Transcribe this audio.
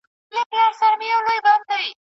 د ځان ساتني دپاره احتياط ډېر مهم دی.